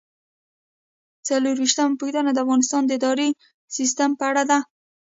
څلرویشتمه پوښتنه د افغانستان د اداري سیسټم په اړه ده.